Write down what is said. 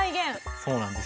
そうなんです。